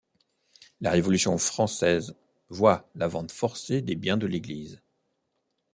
La Révolution française voit la vente forcée des biens de l’Église.